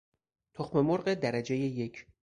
تخم مرغ درجهی یک